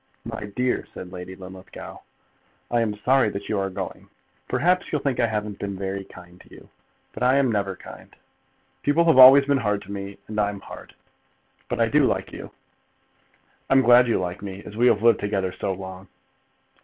"My dear," said Lady Linlithgow, "I am sorry that you are going. Perhaps you'll think I haven't been very kind to you, but I never am kind. People have always been hard to me, and I'm hard. But I do like you." "I'm glad you like me, as we have lived together so long."